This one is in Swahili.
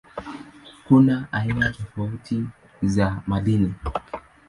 Kuna aina nyingi tofauti za madini.